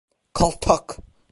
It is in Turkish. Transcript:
Kaltak!